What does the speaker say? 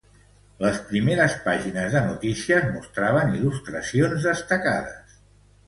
Les primeres pàgines de notícies mostraven il·lustracions destacades.